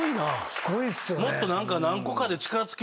すごいっすよね。